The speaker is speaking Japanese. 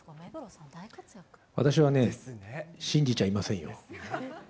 私はね、信じちゃいませんよ。